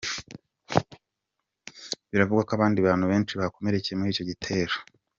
Biravugwa ko abandi bantu benshi bakomerekeye muri icyo gitero.